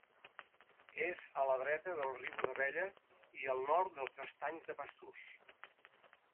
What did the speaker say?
És a la dreta del riu d'Abella i al nord dels Estanys de Basturs.